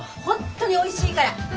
本当においしいから！